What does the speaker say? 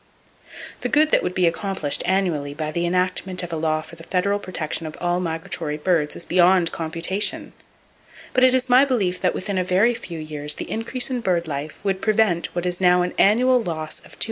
The good that would be accomplished, annually, by the enactment of a law for the federal protection of all migratory birds is beyond computation; but it is my belief that within a very few years the increase in bird life would prevent what is now an annual loss of $250,000,000.